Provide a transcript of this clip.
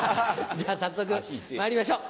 じゃあ早速まいりましょう。